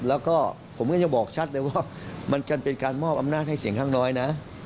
แล้วก็ผมก็จะบอกชัดเลยว่ามันจะเป็นการมอบอำนาจให้เสียงข้างน้อยนะ